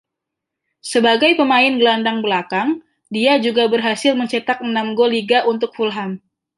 Sebagai pemain gelandang belakang, dia juga berhasil mencetak enam gol Liga untuk Fulham.